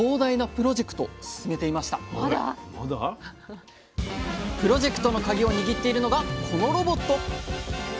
プロジェクトのカギを握っているのがこのロボット！